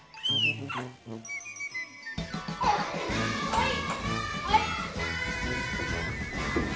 はい！